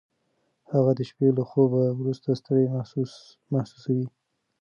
هغه د شپې له خوبه وروسته ستړی محسوسوي.